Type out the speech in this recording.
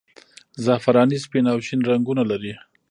زعفراني سپین او شین رنګونه لري.